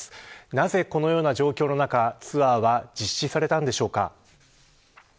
なぜ、このような状況の中ツアーは実施されたのでしょうか。